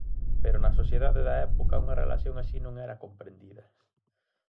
Pero na sociedade da época, unha relación así non era comprendida.